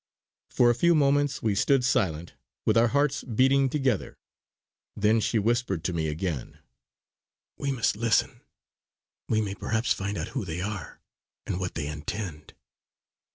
For a few moments we stood silent, with our hearts beating together; then she whispered to me again: "We must listen. We may perhaps find out who they are, and what they intend."